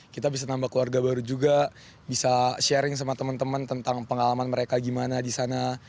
kita bisa nambah keluarga baru juga bisa sharing sama teman teman tentang pengalaman mereka gimana di sana